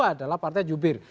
yang ketiga adalah partai jubir